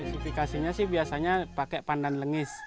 kusifikasinya sih biasanya pakai pandan lengis